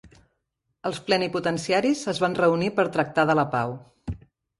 Els plenipotenciaris es van reunir per tractar de la pau.